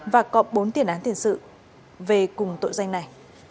và có bốn tiền án tiền sự về cùng tội danh này